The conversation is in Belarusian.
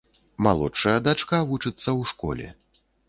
Малодшая дачка вучыцца ў школе.